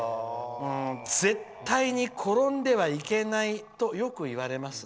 絶対に転んではいけないとよく言われます。